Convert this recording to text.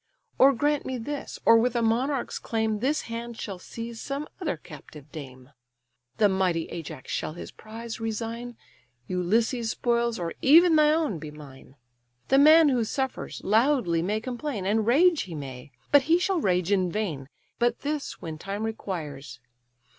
Or grant me this, or with a monarch's claim This hand shall seize some other captive dame. The mighty Ajax shall his prize resign; Ulysses' spoils, or even thy own, be mine. The man who suffers, loudly may complain; And rage he may, but he shall rage in vain. But this when time requires.